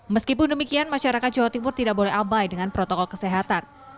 meskipun demikian masyarakat jawa timur tidak boleh abai dengan protokol kesehatan